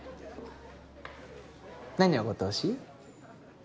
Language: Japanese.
何おごってほしい？